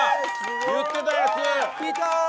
言ってたやつ！